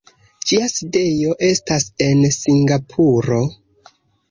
Ĝia sidejo estas en Singapuro.